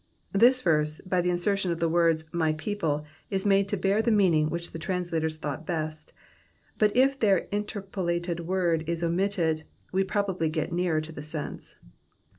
223 22. Tliis verse, by the insertion of the words, my people,'*^ is made to bear the meaning which the translators thought best ; but, if their interpolated word is omitted, we probably get nearer to the sense.